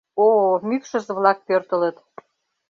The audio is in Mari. О, мӱкшызӧ-влак пӧртылыт.